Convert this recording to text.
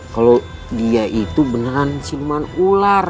kalau dia itu beneran siluman ular